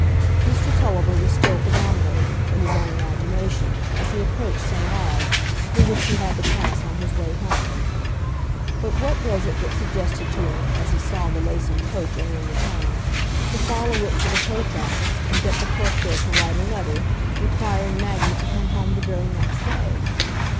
Mr Tulliver was still predominating, in his own imagination, as he approached St Ogg's, through which he had to pass on his way homeward. But what was it that suggested to him, as he saw the Laceham coach entering the town, to follow it to the coach office, and get the clerk there to write a letter, requiring Maggie to come home the very next day?